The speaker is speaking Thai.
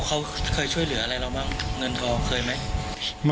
เขาเคยช่วยเหลืออะไรเราบ้างเงินทองเคยไหม